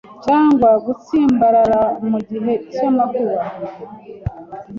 cyangwa gutsimbarara mu gihe cy'amakuba